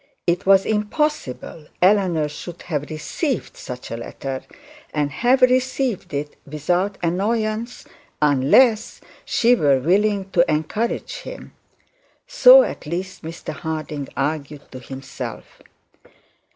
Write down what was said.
It was impossible that Eleanor should have received such a letter, and received it without annoyance, unless she were willing to encourage him. So at least, Mr Harding argued to himself.